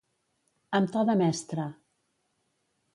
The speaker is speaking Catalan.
Amb to de mestre.